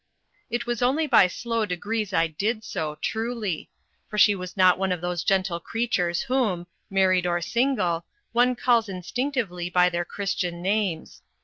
It was only by slow degrees I did so, truly; for she was not one of those gentle creatures whom, married or single, one calls instinctively by their Christian names.